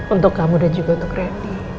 untuk kamu dan juga untuk rendy